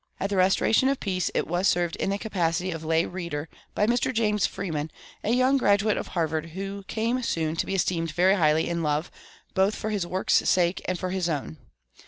At the restoration of peace it was served in the capacity of lay reader by Mr. James Freeman, a young graduate of Harvard, who came soon to be esteemed very highly in love both for his work's sake and for his own.